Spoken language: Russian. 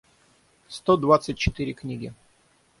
сто двадцать четыре книги